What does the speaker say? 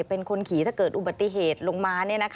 เป็นคนขี่ถ้าเกิดอุบัติเหตุลงมา